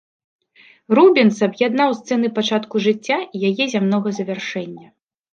Рубенс аб'яднаў сцэны пачатку жыцця і яе зямнога завяршэння.